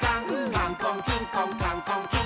「カンコンキンコンカンコンキン！」